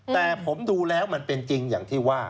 แต่ผมดูแล้วมันเป็นจริงอย่างที่ว่า